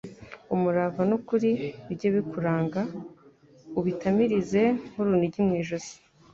Umurava n'ukuri bijye bikuranga, ubitamirize nk'urunigi mu ijosi,